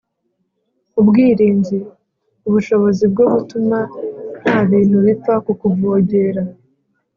ubwirinzi: ubushobozi bwo gutuma nta bintu bipfa kukuvogera